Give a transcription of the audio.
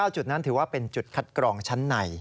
จุดนั้นถือว่าเป็นจุดคัดกรองชั้นใน